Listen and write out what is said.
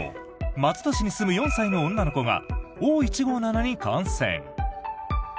松戸市に住む４歳の女の子がＯ−１５７に感染。